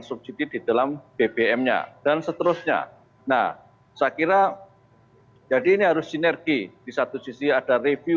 subsidi di dalam bbm nya dan seterusnya nah saya kira jadi ini harus sinergi di satu sisi ada review